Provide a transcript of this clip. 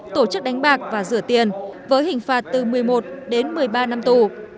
tổ chức đánh bạc và rửa tiền với hình phạt từ một mươi một đến một mươi ba năm tù